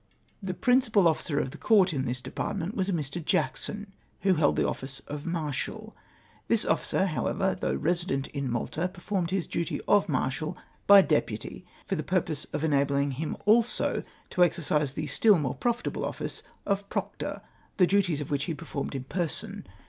The principal officer of the Court in this department was a ]\ir, Jackson, who held the office of Marshal. This officer, however, though resident in Malta, per formed his duty of marshal by deputy, for the purpose of enabling him also to exercise the stiU more profitable office of proctor, the duties of Avhich he performed in person.